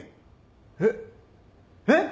えっえっ！？